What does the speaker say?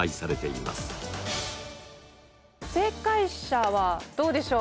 正解者はどうでしょう。